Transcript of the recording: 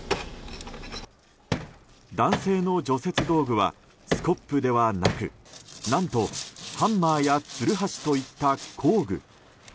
男性の除雪道具はスコップではなく何とハンマーやつるはしといった工具。